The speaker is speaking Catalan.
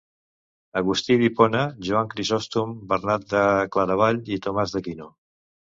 Agustí d'Hipona, Joan Crisòstom, Bernat de Claravall i Tomàs d'Aquino.